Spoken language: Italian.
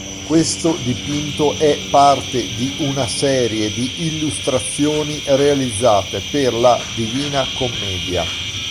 Questo dipinto è parte di una serie di illustrazioni realizzate per la Divina Commedia.